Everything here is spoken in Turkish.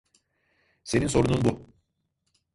Senin sorunun bu.